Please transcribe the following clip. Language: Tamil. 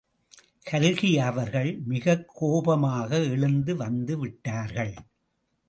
கல்கி அவர்கள் மிகக் கோபமாக எழுந்து வந்து விட்டார்கள்.